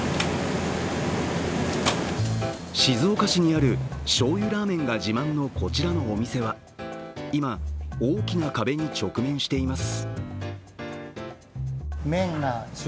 静岡市にあるしょうゆラーメンが自慢のこちらのお店は今、大きな壁に直面しています。